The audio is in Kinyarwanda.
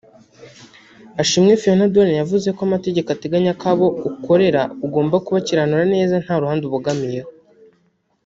Ashimwe Fiona Doreen yavuze ko amategeko ateganya ko abo ukorera ugomba kubakiranura neza nta ruhande ubogamiyeho